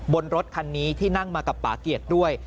บนรถคันนี้ที่นั่งมากับป่าเกียจด้วย